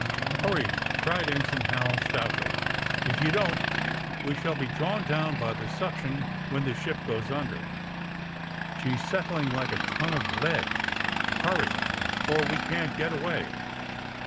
''^^ Hurry !'' cried Ensign Hal stoutly. *^ If you don't we shall be drawn down by the suction when this ship goes under! She's settling like a ton of lead. Hurry, or we can't get away!"